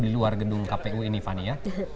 di luar gedung kpu ini fani ya